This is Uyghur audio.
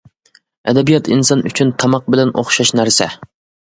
-ئەدەبىيات ئىنسان ئۈچۈن تاماق بىلەن ئوخشاش نەرسە.